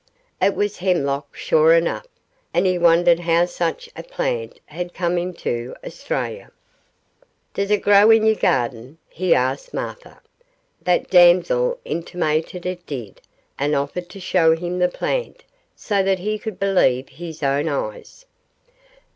It was hemlock sure enough, and he wondered how such a plant had come into Australia. 'Does it grow in your garden?' he asked Martha. That damsel intimated it did, and offered to show him the plant, so that he could believe his own eyes.